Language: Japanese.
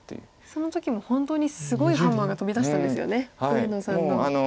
その時も本当にすごいハンマーが飛び出したんですよね上野さんの。